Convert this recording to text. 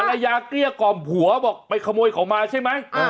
ภรรยาเกลี้ยก่อนผัวบอกไปขโมยเขามาใช่มั้ย